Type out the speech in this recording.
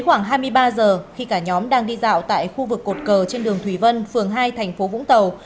khoảng hai mươi ba giờ khi cả nhóm đang đi dạo tại khu vực cột cờ trên đường thủy vân phường hai thành phố vũng tàu